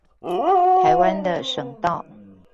臺灣的省道